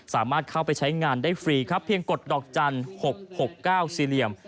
สามารถเข้าไปใช้งานได้ฟรีครับเพียงกดดอกจันทร์๖๖๙สี่เหลี่ยม